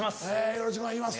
よろしくお願いします。